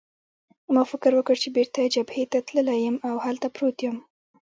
ما فکر وکړ چې بېرته جبهې ته تللی یم او هلته پروت یم.